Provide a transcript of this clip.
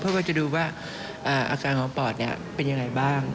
เพื่อจะดูว่าอาการของปอดเป็นยังไงบ้าง